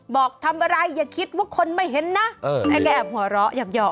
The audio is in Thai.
บอกทำอะไรอย่าคิดว่าคนไม่เห็นนะให้แกแอบหัวเราะหยอก